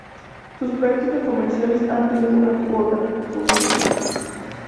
Sus prácticas comerciales han tenido una cuota "su familia".